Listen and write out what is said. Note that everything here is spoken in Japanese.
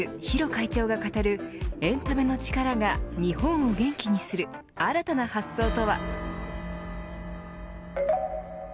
会長が語るエンタメの力が日本を元気にする新たな発想とは。